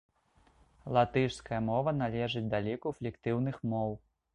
Латышская мова належыць да ліку флектыўных моў.